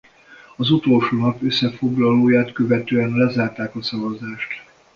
Az utolsó nap összefoglalóját követően lezárták a szavazást.